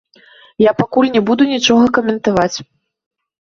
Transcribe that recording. Я пакуль не буду нічога каментаваць.